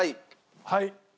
はい。